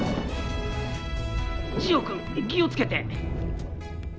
ジオ君気を付けて。